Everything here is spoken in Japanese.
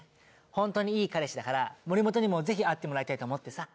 ホントにいい彼氏だから森本にもぜひ会ってもらいたいと思ってさ。